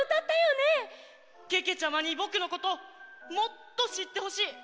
けけちゃまにぼくのこともっとしってほしい！